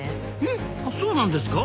えそうなんですか。